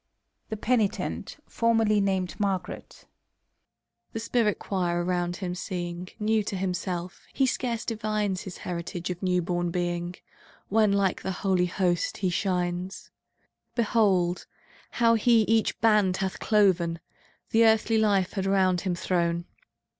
y(^^ r^^'^'^PXC!^ '^^^ PENITENT t^^^^ (formerly named Margaret) S\The spirit choir around him seeing, New to himself, he scarce divines His heritage of new born Being, When like the Holy Host he shines. Behold, how he each band hath cloven, The earthly life had round him thrown.